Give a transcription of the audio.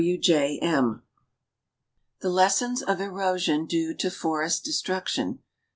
W J M. The Lessons of Erosion Due to Forest Destruction.